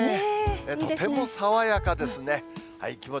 とても爽やかですね。